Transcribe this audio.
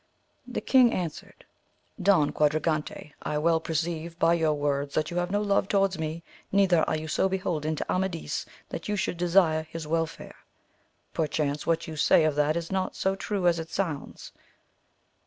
The king answered, Don Quadragante, I well perceive by your wolrds that you have no love towards me, neither are you so beholden to Amadis that you should desire his welfare ; perchance what you say of that is not so true as it sounds.